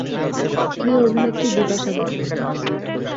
প্রিয় অভিনেত্রী বিপাশা বসু।